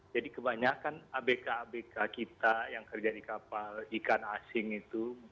jadi kebanyakan abk abk kita yang kerja di kapal ikan asing itu